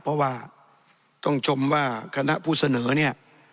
เพราะว่าต้องชมว่าคณะผู้เสนอเนี่ย